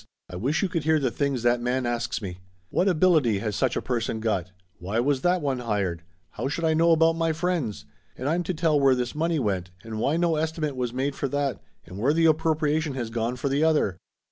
I wish you could hear the things that man asks me ! What ability has such a person got? Why was that one hired? How should I know about my friends? And I'm to tell where this money went, and why no estimate was made for that, and where the appropriation has gone for the other